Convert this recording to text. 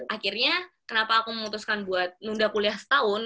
akhirnya kenapa aku memutuskan buat nunda kuliah setahun